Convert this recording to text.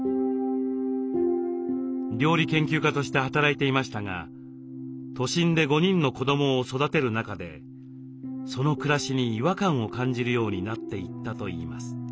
料理研究家として働いていましたが都心で５人の子どもを育てる中でその暮らしに違和感を感じるようになっていったといいます。